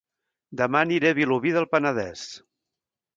Dema aniré a Vilobí del Penedès